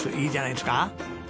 いいじゃないですか。